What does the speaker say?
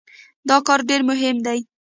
دا کار ډېر مهم دی.